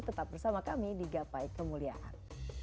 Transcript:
tetap bersama kami di gapai kemuliaan